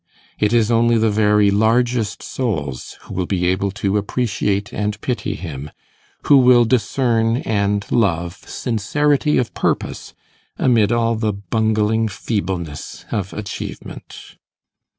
It is only the very largest souls who will be able to appreciate and pity him who will discern and love sincerity of purpose amid all the bungling feebleness of achievement.